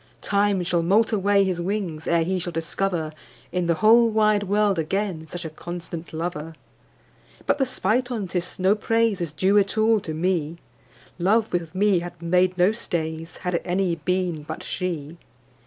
â¢ Time shall moult away his wings, Ere he shall discover In the whole wide world again Such a constant Lover. But the spite on't is, no praise Is due at all to me : Love with me had made no stays, Had it any been but she.